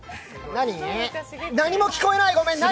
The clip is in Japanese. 何も聞こえない、ごめん、何？